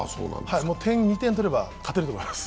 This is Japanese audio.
点を２点取れば勝てると思います。